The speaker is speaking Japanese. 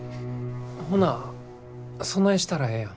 ほなそないしたらええやん。